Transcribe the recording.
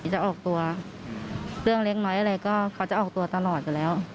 จะออกตัวเรื่องเล็กน้อยอะไรก็เขาจะออกตัวตลอดอยู่แล้ว